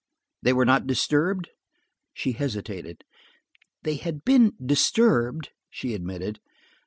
"They were not disturbed?" She hesitated. "They had been disturbed," she admitted.